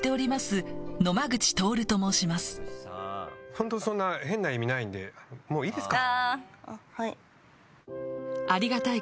本当そんな変な意味ないんでもういいですか？